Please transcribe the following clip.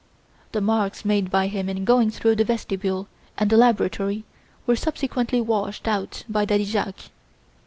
The marks made by him in going through the vestibule and the laboratory were subsequently washed out by Daddy Jacques.